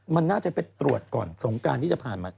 มันน่าจะไปตรวจก่อนสงการที่จะผ่านมา